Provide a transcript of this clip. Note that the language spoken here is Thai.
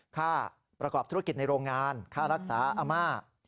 ค่าประกอบธุรกิจในโรงงานค่ารักษาอาม่า